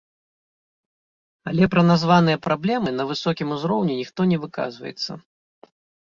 Але пра названыя праблемы на высокім узроўні ніхто не выказваецца.